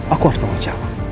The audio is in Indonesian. aku harus tahu siapa